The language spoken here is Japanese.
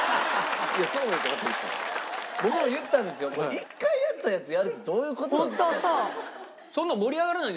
１回やったやつやるってどういう事なんですかって。